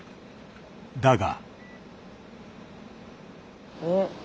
だが。